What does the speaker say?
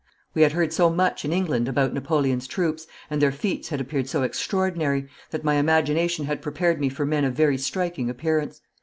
We had heard so much in England about Napoleon's troops, and their feats had appeared so extraordinary, that my imagination had prepared me for men of very striking appearance.